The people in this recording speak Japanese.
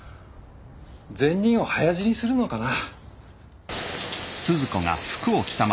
善人は早死にするのかな？